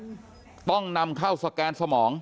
พี่สาวของเธอบอกว่ามันเกิดอะไรขึ้นกับพี่สาวของเธอ